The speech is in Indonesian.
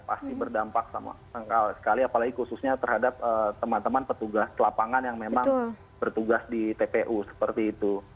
pasti berdampak sama sekali apalagi khususnya terhadap teman teman petugas lapangan yang memang bertugas di tpu seperti itu